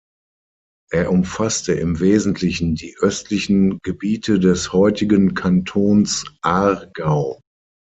Er umfasste im Wesentlichen die östlichen Gebiete des heutigen Kantons Aargau.